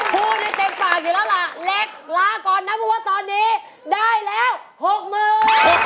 พูดได้เต็มปากอยู่แล้วล่ะเล็กลาก่อนนะเพราะว่าตอนนี้ได้แล้ว๖๐๐๐บาท